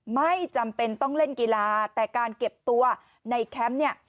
ไม่จำเป็นต้องเล่นกีฬาแต่การเก็บตัวในแคมป์เนี่ย